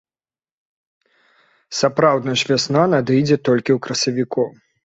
Сапраўдная ж вясна надыдзе толькі ў красавіку.